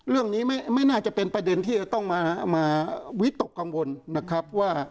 เรื่องนี้ไม่น่าจะเป็นประเด็นที่จะต้องมาวิตกกังวลนะครับว่า